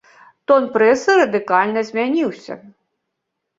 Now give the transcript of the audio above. Тон прэсы радыкальна змяніўся.